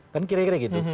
kan kira kira gitu